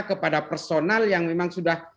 kepada personal yang memang sudah